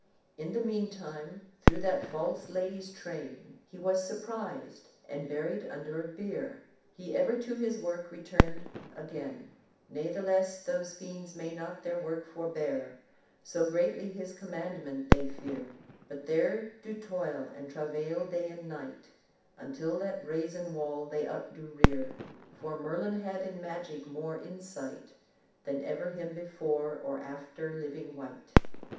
"In the mean time, through that false lady's train, He was surprised, and buried under beare, He ever to his work returned again; Nathless those fiends may not their work forbear, So greatly his commandement they fear; But there do toil and travail day and night, Until that brazen wall they up do rear. For Merlin had in magic more insight Than ever him before or after living wight."